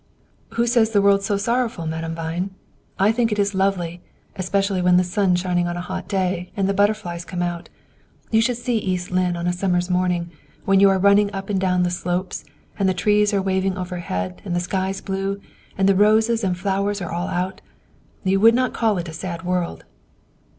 "Who says the world's so sorrowful, Madame Vine? I think it is lovely, especially when the sun's shining on a hot day, and the butterflies come out. You should see East Lynne on a summer's morning, when you are running up and down the slopes, and the trees are waving overhead, and the sky's blue, and the roses and flowers are all out. You would not call it a sad world."